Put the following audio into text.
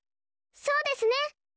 そうですね。